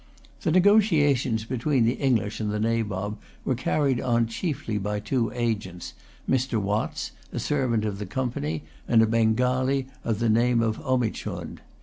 The negotiations between the English and the Nabob were carried on chiefly by two agents, Mr. Watts, a servant of the Company, and a Bengalee of the name of Omichund.